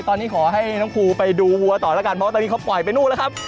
ตอนนี้ขอให้น้องครูไปดูวัวต่อแล้วกันเพราะว่าตอนนี้เขาปล่อยไปนู่นแล้วครับ